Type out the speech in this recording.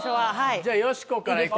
じゃあよしこから行くか。